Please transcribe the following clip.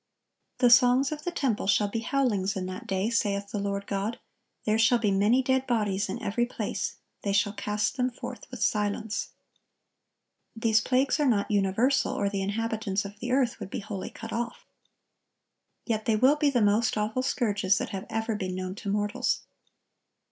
"The songs of the temple shall be howlings in that day, saith the Lord God: there shall be many dead bodies in every place; they shall cast them forth with silence."(1077) These plagues are not universal, or the inhabitants of the earth would be wholly cut off. Yet they will be the most awful scourges that have ever been known to mortals.